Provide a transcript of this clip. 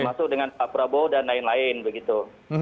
termasuk dengan pak prabowo dan lain lain begitu